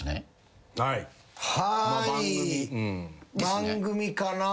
番組かなあ？